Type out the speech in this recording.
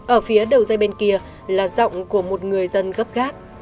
ở phía đầu dây bên kia là giọng của một người dân gấp gáp